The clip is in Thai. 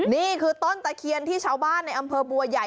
นี่คือต้นตะเคียนที่ชาวบ้านในอำเภอบัวใหญ่